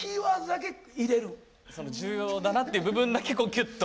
重要だなっていう部分だけキュッと？